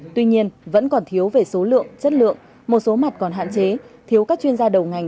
tuy nhiên vẫn còn thiếu về số lượng chất lượng một số mặt còn hạn chế thiếu các chuyên gia đầu ngành